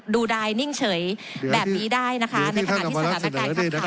ดูดายนิ่งเฉยแบบนี้ได้นะคะในประหลาดที่สถานการณ์นี้นะครับ